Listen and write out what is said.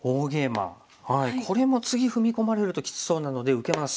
これも次踏み込まれるときつそうなので受けます。